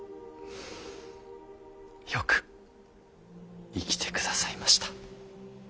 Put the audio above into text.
よく生きてくださいました。